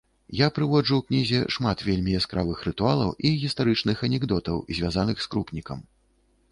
Я прыводжу ў кнізе шмат вельмі яскравых рытуалаў і гістарычных анекдотаў, звязаных з крупнікам.